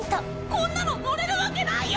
こんなの乗れるわけないよ！